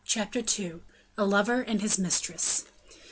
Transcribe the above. Chapter II. A Lover and His Mistress.